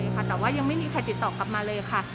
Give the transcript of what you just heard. แต่ว่ายังไม่มีใครติดต่อกลับมาเลยค่ะ